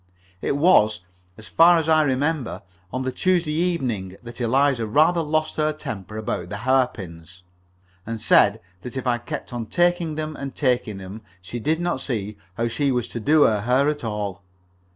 It was, as far as I remember, on the Tuesday evening that Eliza rather lost her temper about the hairpins, and said that if I kept on taking them and taking them she did not see how she was to do her hair at all.